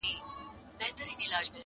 چي په ښار او په مالت کي څه تیریږي،!